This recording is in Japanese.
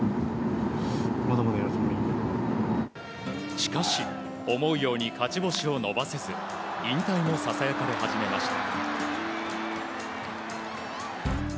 しかし、思うように勝ち星を伸ばせず引退もささやかれ始めました。